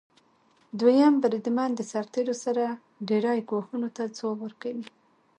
دویم بریدمن د سرتیرو سره ډیری ګواښونو ته ځواب ورکوي.